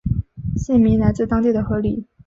县名来自当地的河狸。